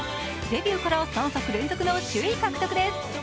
デビューから３作連続の首位獲得です。